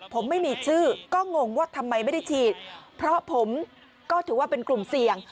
ผมไม่มีชื่อก็งงว่าทำไมไม่ได้ฉีดเพราะผมก็ถือว่าเป็นกลุ่มเสี่ยง